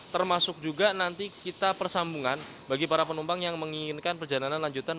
termasuk juga nanti kita persambungan bagi para penumpang yang menginginkan perjalanan lanjutan